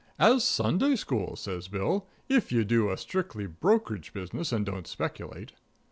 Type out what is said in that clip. "As Sunday school," says Bill, "if you do a strictly brokerage business and don't speculate."